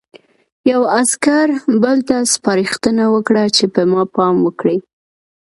یوه عسکر بل ته سپارښتنه وکړه چې په ما پام وکړي